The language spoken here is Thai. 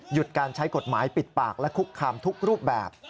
การใช้กฎหมายปิดปากและคุกคามทุกรูปแบบ